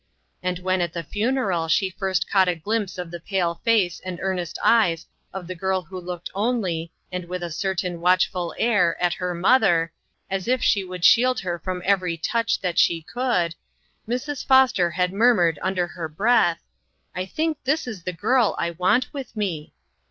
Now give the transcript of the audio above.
And when at the funeral she first caught a glimpse of the pale face and earnest eyes of the girl who looked only, and with a certain watch ful air at her mother, as if she would shield her from every touch that she could, Mrs. Foster had murmured under her breath, " I think this is the girl I want with me."